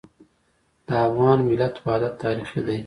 د افغان ملت وحدت تاریخي دی.